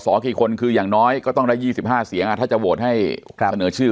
กี่คนคืออย่างน้อยก็ต้องได้๒๕เสียงถ้าจะโหวตให้เสนอชื่อ